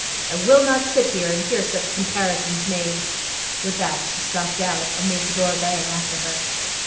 I will not sit here, and hear such comparisons made.' With that she stalked out, and made the door bang after her.